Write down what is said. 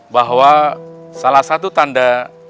bahwa salah satu tanda